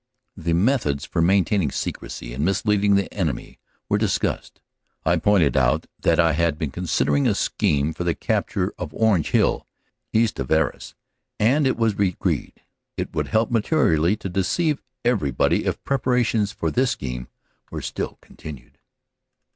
The methods for maintaining secrecy and mis leading the enemy were discussed. I pointed out that I had been considering a scheme for the capture of Orange Hill 3 18 CANADA S HUNDRED DAYS (east of Arras), and it was agreed it would help materially to deceive everybody if preparations for this scheme were still continued.